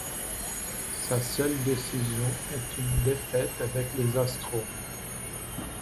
Sa seule décision est une défaite avec les Astros.